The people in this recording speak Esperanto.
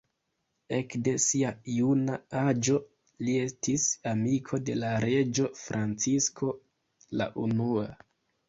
Ekde sia juna aĝo, li estis amiko de la reĝo Francisko la Unua.